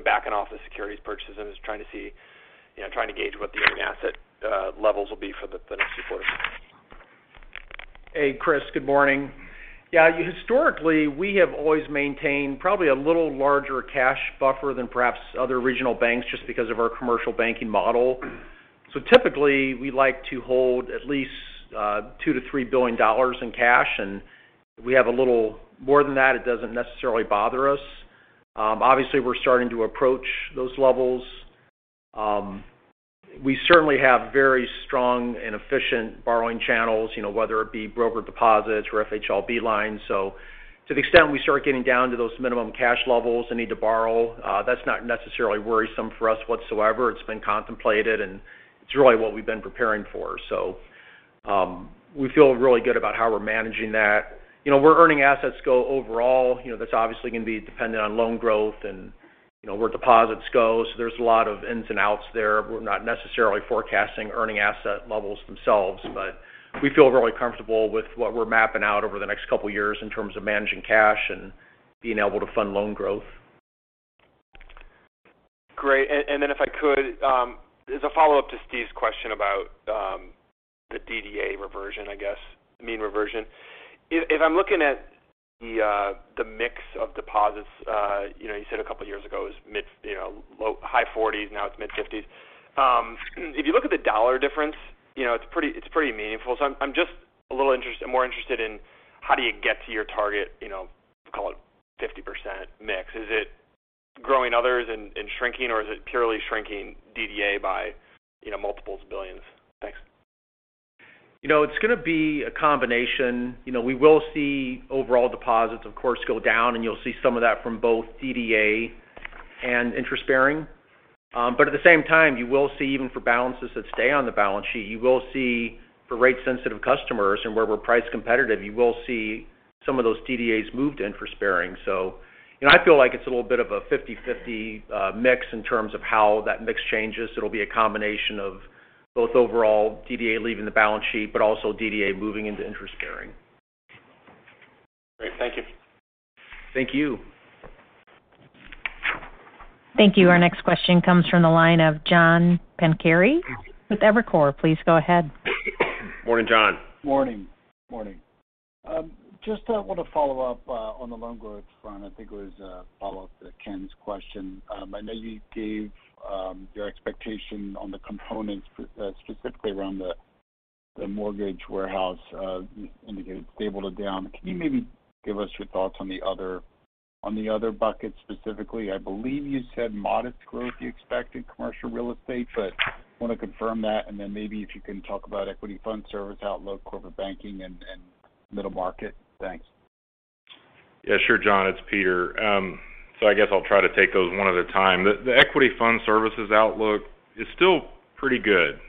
backing off the securities purchases. I'm just trying to see, you know, trying to gauge what the earning asset levels will be for the next few quarters. Hey, Chris. Good morning. Yeah. Historically, we have always maintained probably a little larger cash buffer than perhaps other regional banks just because of our commercial banking model. Typically, we like to hold at least $2 billion-$3 billion in cash, and if we have a little more than that, it doesn't necessarily bother us. Obviously, we're starting to approach those levels. We certainly have very strong and efficient borrowing channels, you know, whether it be broker deposits or FHLB lines. To the extent we start getting down to those minimum cash levels and need to borrow, that's not necessarily worrisome for us whatsoever. It's been contemplated, and it's really what we've been preparing for. We feel really good about how we're managing that. You know, where earning assets go overall, you know, that's obviously going to be dependent on loan growth and, you know, where deposits go. There's a lot of ins and outs there. We're not necessarily forecasting earning asset levels themselves, but we feel really comfortable with what we're mapping out over the next couple of years in terms of managing cash and being able to fund loan growth. Great. If I could, as a follow-up to Steve's question about the DDA reversion, I guess, mean reversion. If I'm looking at the mix of deposits, you know, you said a couple of years ago, it was mid, you know, low to high 40s, now it's mid-50s. If you look at the dollar difference, you know, it's pretty meaningful. I'm just a little more interested in how do you get to your target, you know, call it 50% mix. Is it growing others and shrinking, or is it purely shrinking DDA by, you know, multiples of billions? Thanks. You know, it's going to be a combination. You know, we will see overall deposits, of course, go down, and you'll see some of that from both DDA and interest bearing. At the same time, you will see even for balances that stay on the balance sheet, you will see for rate sensitive customers and where we're price competitive, you will see some of those DDAs moved to interest bearing. You know, I feel like it's a little bit of a 50/50 mix in terms of how that mix changes. It'll be a combination of both overall DDA leaving the balance sheet, but also DDA moving into interest bearing. Great. Thank you. Thank you. Thank you. Our next question comes from the line of John Pancari with Evercore. Please go ahead. Morning, John. Morning. Just want to follow up on the loan growth front. I think it was a follow-up to Ken's question. I know you gave your expectation on the components, specifically around the mortgage warehouse, indicated stable to down. Can you maybe give us your thoughts on the other buckets specifically? I believe you said modest growth you expect in commercial real estate, but I want to confirm that, and then maybe if you can talk about Equity Fund Services outlook, corporate banking and middle market. Thanks. Yeah, sure. John, it's Peter. I guess I'll try to take those one at a time. The Equity Fund Services outlook is still pretty good.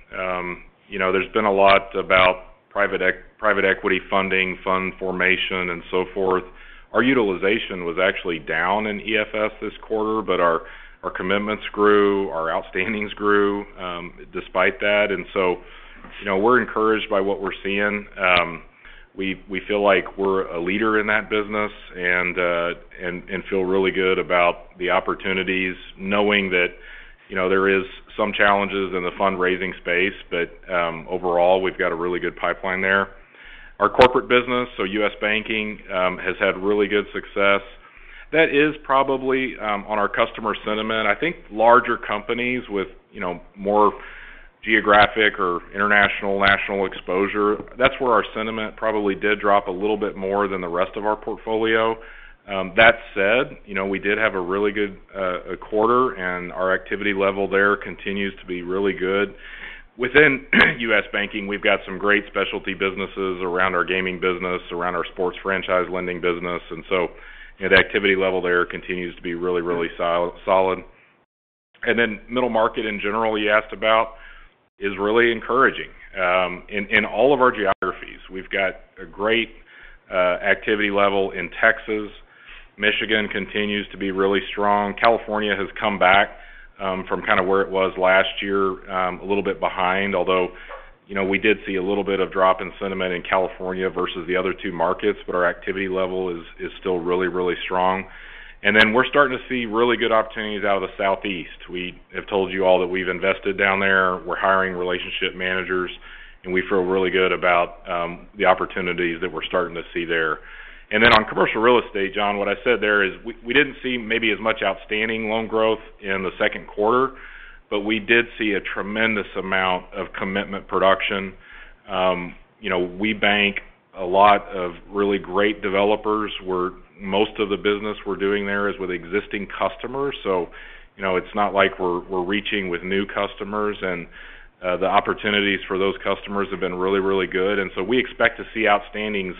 You know, there's been a lot about private equity funding, fund formation, and so forth. Our utilization was actually down in EFS this quarter, but our commitments grew, our outstandings grew, despite that. You know, we're encouraged by what we're seeing. We feel like we're a leader in that business and feel really good about the opportunities knowing that, you know, there is some challenges in the fundraising space. Overall, we've got a really good pipeline there. Our corporate business, so U.S. banking, has had really good success. That is probably on our customer sentiment. I think larger companies with, you know, more geographic or international, national exposure, that's where our sentiment probably did drop a little bit more than the rest of our portfolio. That said, you know, we did have a really good quarter, and our activity level there continues to be really good. Within U.S. banking, we've got some great specialty businesses around our gaming business, around our sports franchise lending business, and so the activity level there continues to be really, really solid. Middle market in general, you asked about, is really encouraging. In all of our geographies, we've got a great activity level in Texas. Michigan continues to be really strong. California has come back from kind of where it was last year, a little bit behind. Although, you know, we did see a little bit of drop in sentiment in California versus the other two markets, but our activity level is still really, really strong. We're starting to see really good opportunities out of the Southeast. We have told you all that we've invested down there. We're hiring relationship managers, and we feel really good about the opportunities that we're starting to see there. On Commercial Real Estate, John, what I said there is we didn't see maybe as much outstanding loan growth in the second quarter, but we did see a tremendous amount of commitment production. You know, we bank a lot of really great developers, where most of the business we're doing there is with existing customers. You know, it's not like we're reaching with new customers and the opportunities for those customers have been really, really good. We expect to see outstandings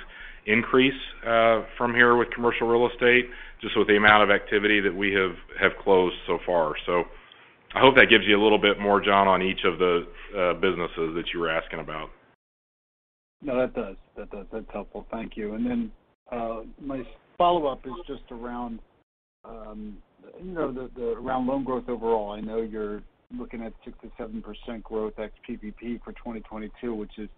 increase from here with Commercial Real Estate just with the amount of activity that we have closed so far. I hope that gives you a little bit more, John, on each of the businesses that you were asking about. No, that does. That's helpful. Thank you. My follow-up is just around loan growth overall. I know you're looking at 6%-7% growth ex PPP for 2022, which is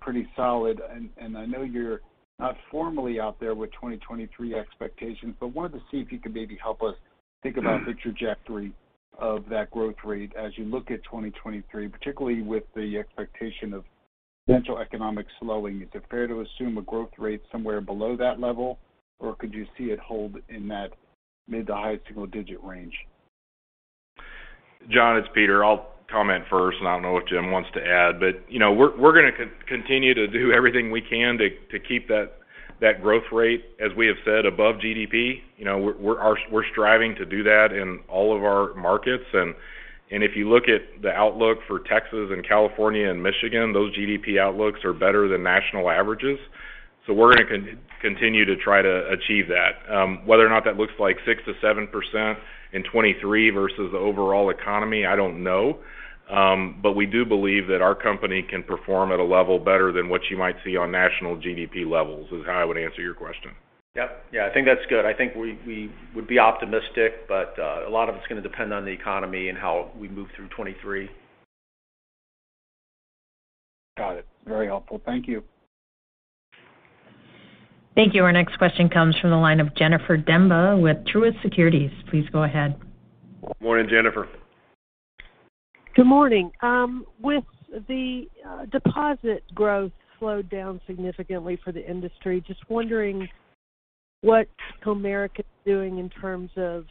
pretty solid. I know you're not formally out there with 2023 expectations, but wanted to see if you could maybe help us think about the trajectory of that growth rate as you look at 2023, particularly with the expectation of potential economic slowing. Is it fair to assume a growth rate somewhere below that level, or could you see it hold in that mid- to high-single-digit range? John, it's Peter. I'll comment first, and I don't know what Jim wants to add, but you know, we're gonna continue to do everything we can to keep that growth rate, as we have said, above GDP. You know, we're striving to do that in all of our markets. If you look at the outlook for Texas and California and Michigan, those GDP outlooks are better than national averages. We're gonna continue to try to achieve that. Whether or not that looks like 6%-7% in 2023 versus the overall economy, I don't know. We do believe that our company can perform at a level better than what you might see on national GDP levels is how I would answer your question. Yep. Yeah, I think that's good. I think we would be optimistic, but a lot of it's gonna depend on the economy and how we move through 2023. Got it. Very helpful. Thank you. Thank you. Our next question comes from the line of Jennifer Demba with Truist Securities. Please go ahead. Morning, Jennifer. Good morning. With the deposit growth slowed down significantly for the industry, just wondering what Comerica is doing in terms of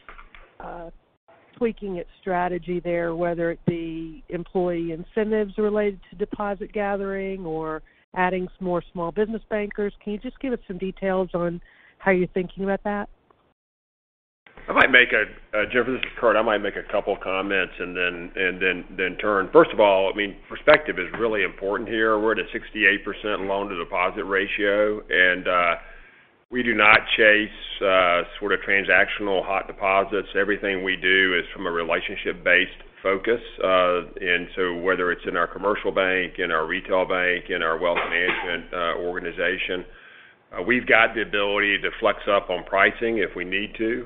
tweaking its strategy there, whether it be employee incentives related to deposit gathering or adding some more small business bankers. Can you just give us some details on how you're thinking about that? Jennifer, this is Curtis. I might make a couple comments then turn. First of all, I mean, perspective is really important here. We're at a 68% loan-to-deposit ratio, and we do not chase sort of transactional hot deposits. Everything we do is from a relationship-based focus. Whether it's in our Commercial Bank, in our Retail Bank, in our Wealth Management organization, we've got the ability to flex up on pricing if we need to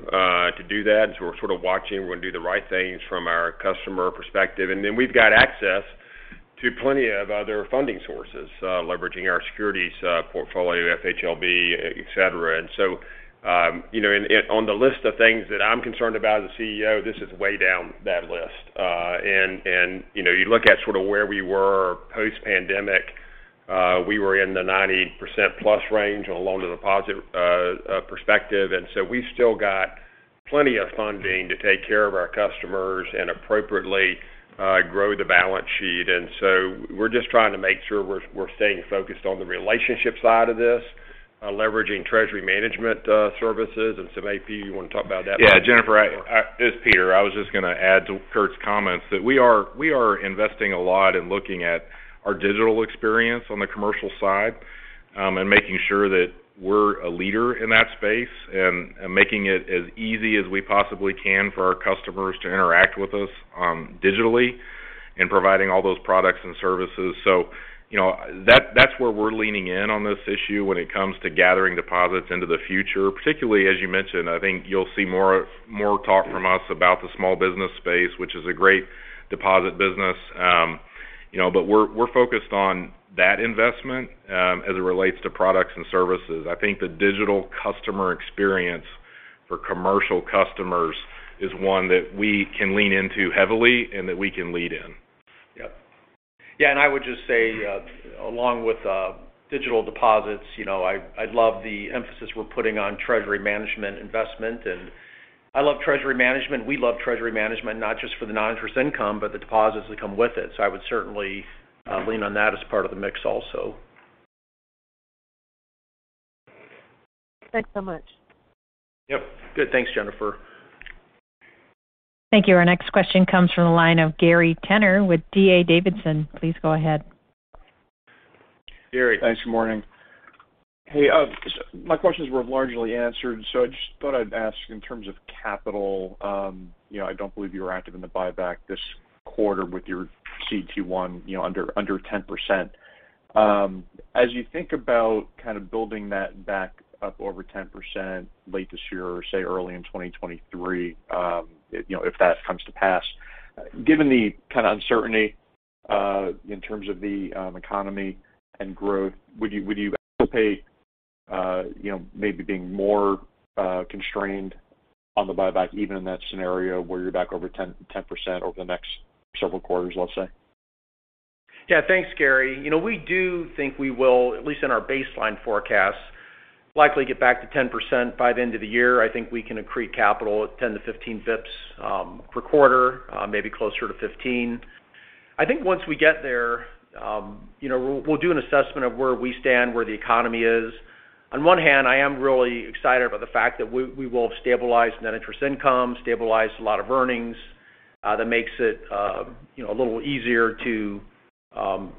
do that. We're sort of watching. We're gonna do the right things from our customer perspective. We've got access to plenty of other funding sources, leveraging our securities portfolio, FHLB, et cetera. You know, and on the list of things that I'm concerned about as a CEO, this is way down that list. You know, you look at sort of where we were post-pandemic, we were in the 90% plus range on a loan-to-deposit perspective. We've still got plenty of funding to take care of our customers and appropriately grow the balance sheet. We're just trying to make sure we're staying focused on the relationship side of this, leveraging treasury management services and some AP. You want to talk about that? Yeah, Jennifer, it's Peter. I was just gonna add to Curtis's comments that we are investing a lot in looking at our digital experience on the commercial side, and making sure that we're a leader in that space and making it as easy as we possibly can for our customers to interact with us digitally in providing all those products and services. You know, that's where we're leaning in on this issue when it comes to gathering deposits into the future. Particularly, as you mentioned, I think you'll see more talk from us about the small business space, which is a great deposit business. You know, we're focused on that investment as it relates to products and services. I think the digital customer experience for commercial customers is one that we can lean into heavily and that we can lead in. Yep. Yeah, I would just say, along with, digital deposits, you know, I love the emphasis we're putting on treasury management investment. I love treasury management, we love treasury management, not just for the non-interest income, but the deposits that come with it. I would certainly lean on that as part of the mix also. Thanks so much. Yep. Good. Thanks, Jennifer. Thank you. Our next question comes from the line of Gary Tenner with D.A. Davidson. Please go ahead. Gary. Thanks. Morning. Hey, my questions were largely answered, so I just thought I'd ask in terms of capital. You know, I don't believe you were active in the buyback this quarter with your CET1 under 10%. As you think about kind of building that back up over 10% late this year or, say, early in 2023, you know, if that comes to pass, given the kind of uncertainty in terms of the economy and growth, would you anticipate you know, maybe being more constrained on the buyback even in that scenario where you're back over 10% over the next several quarters, let's say? Yeah. Thanks, Gary. You know, we do think we will, at least in our baseline forecasts, likely get back to 10% by the end of the year. I think we can accrete capital at 10-15 bps per quarter, maybe closer to 15. I think once we get there, you know, we'll do an assessment of where we stand, where the economy is. On one hand, I am really excited about the fact that we will have stabilized net interest income, stabilized a lot of earnings, that makes it, you know, a little easier to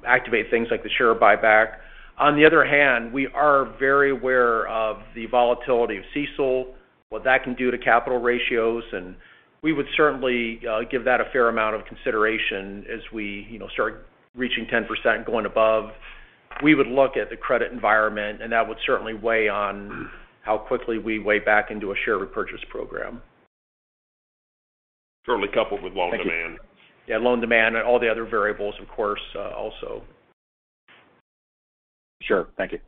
activate things like the share buyback. On the other hand, we are very aware of the volatility of CECL, what that can do to capital ratios, and we would certainly give that a fair amount of consideration as we, you know, start reaching 10%, going above. We would look at the credit environment, and that would certainly weigh on how quickly we weigh back into a share repurchase program. Certainly coupled with loan demand. Yeah, loan demand and all the other variables, of course, also. Sure. Thank you.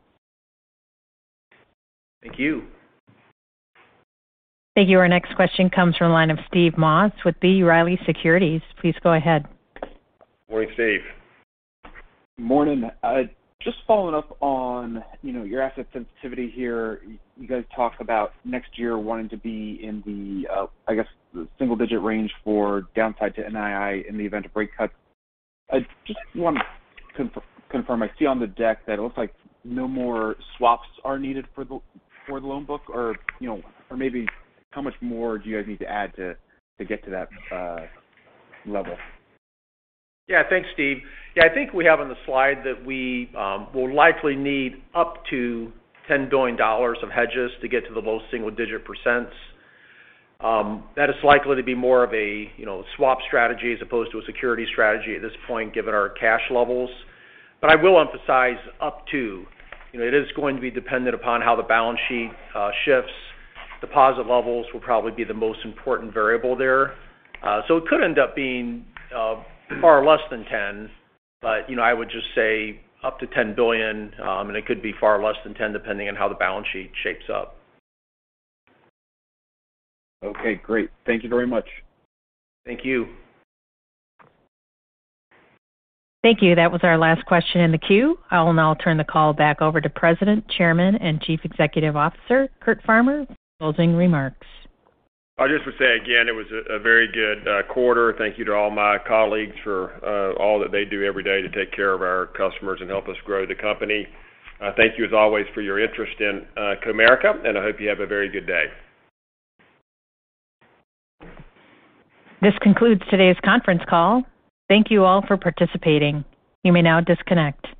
Thank you. Thank you. Our next question comes from line of Steve Moss with B. Riley Securities. Please go ahead. Morning, Steve. Morning. Just following up on, you know, your asset sensitivity here. You guys talk about next year wanting to be in the, I guess, single digit range for downside to NII in the event of rate cuts. I just want to confirm, I see on the deck that it looks like no more swaps are needed for the loan book or, you know, or maybe how much more do you guys need to add to get to that level? Yeah. Thanks, Steve. Yeah, I think we have on the slide that we will likely need up to $10 billion of hedges to get to the low single-digit %. That is likely to be more of a, you know, swap strategy as opposed to a security strategy at this point, given our cash levels. I will emphasize up to. You know, it is going to be dependent upon how the balance sheet shifts. Deposit levels will probably be the most important variable there. It could end up being far less than 10. You know, I would just say up to $10 billion, and it could be far less than 10, depending on how the balance sheet shapes up. Okay, great. Thank you very much. Thank you. Thank you. That was our last question in the queue. I will now turn the call back over to President, Chairman and Chief Executive Officer, Curtis Farmer, for closing remarks. I just would say again, it was a very good quarter. Thank you to all my colleagues for all that they do every day to take care of our customers and help us grow the company. Thank you as always for your interest in Comerica, and I hope you have a very good day. This concludes today's conference call. Thank you all for participating. You may now disconnect.